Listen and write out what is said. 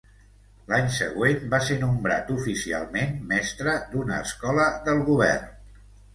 L'any següent va ser nombrat oficialment mestre d'una escola del govern.